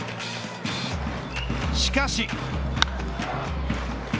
しかし。